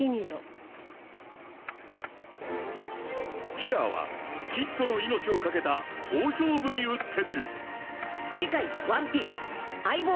［キラーはキッドの命を懸けた大勝負に打って出る］